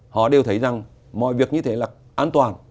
họ đều thấy rằng mọi việc như thế là an toàn